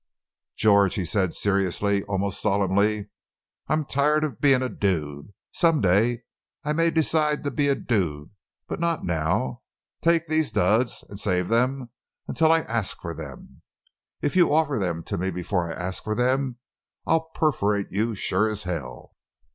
"George," he said seriously, almost solemnly, "I'm tired of being a dude. Some day I may decide to be a dude; but not now. Take these duds and save them until I ask for them. If you offer them to me before I ask for them, I'll perforate you sure as hell!"